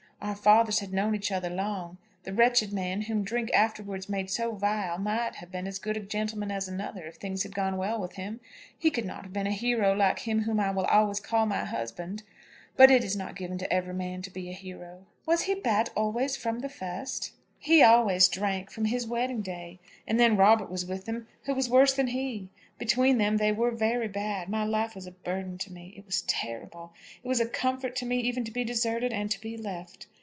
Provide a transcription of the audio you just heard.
Our fathers had known each other long. The wretched man whom drink afterwards made so vile might have been as good a gentleman as another, if things had gone well with him. He could not have been a hero like him whom I will always call my husband; but it is not given to every man to be a hero." "Was he bad always from the first?" "He always drank, from his wedding day; and then Robert was with him, who was worse than he. Between them they were very bad. My life was a burden to me. It was terrible. It was a comfort to me even to be deserted and to be left.